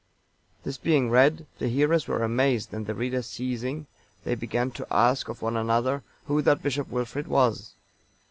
This being read, the hearers were amazed, and the reader ceasing, they began to ask of one another, who that Bishop Wilfrid was.